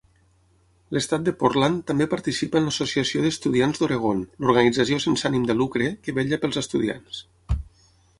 L'estat de Portland també participa en l'associació d'estudiants d'Oregon, l'organització sense ànim de lucre que vetlla pels estudiants.